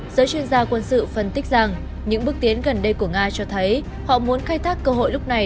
giới chuyên gia quân sự phân tích rằng những bước tiến gần đây của nga cho thấy họ muốn khai thác cơ hội lúc này